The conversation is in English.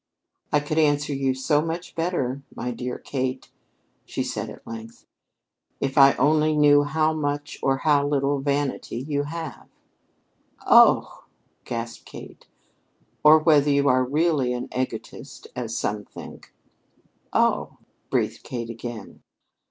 "I could answer you so much better, my dear Kate," she said at length, "if I only knew how much or how little vanity you have." "Oh!" gasped Kate. "Or whether you are really an egotist as some think." "Oh!" breathed Kate again.